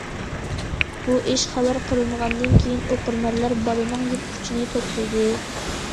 بۇ ئىش خەۋەر قىلىنغاندىن كېيىن، ئوقۇرمەنلەر بالىنىڭ يىپ ئۇچىنى توپلىدى.